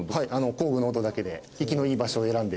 工具の音だけで生きのいい場所を選んで。